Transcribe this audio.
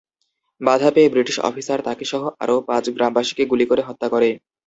বাধা পেয়ে British officer তাকে সহ আরো পাঁচ গ্রামবাসীকে গুলি করে হত্যা করে।